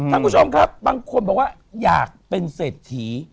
ท่านผู้ชมครับบางคนบอกว่าอยากเป็นเศรษฐี